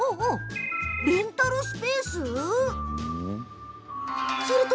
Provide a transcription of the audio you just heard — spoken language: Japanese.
レンタルスペース？